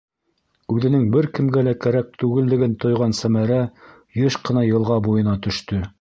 Үҙенең бер кемгә лә кәрәк түгеллеген тойған Сәмәрә йыш ҡына йылға буйына төштө.